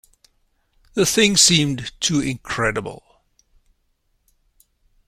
The thing seemed too incredible.